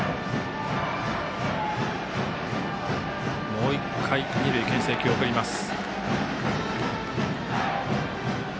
もう１回二塁にけん制球を送ります。